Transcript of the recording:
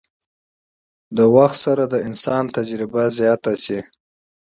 د وخت سره د انسان تجربه زياته شي